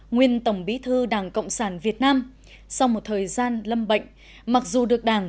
nguyên tổng bí thư đảng cộng sản việt nam sau một thời gian lâm bệnh mặc dù được đảng